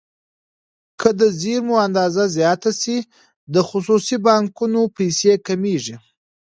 که د زېرمو اندازه زیاته شي د خصوصي بانکونو پیسې کمیږي.